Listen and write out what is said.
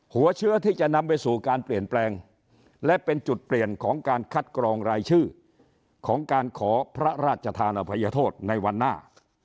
หัวเชื้อที่จะนำไปสู่การเปลี่ยนแปลงและเป็นจุดเปลี่ยนของการคัดกรองรายชื่อของการขอพระราชธานภัยโทษในวันหน้า